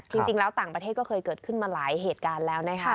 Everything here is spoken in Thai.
จริงแล้วต่างประเทศก็เคยเกิดขึ้นมาหลายเหตุการณ์แล้วนะคะ